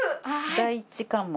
第一関門。